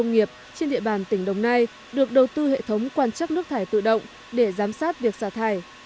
công nghiệp trên địa bàn tỉnh đồng nai được đầu tư hệ thống quan trắc nước thải tự động để giám sát việc xả thải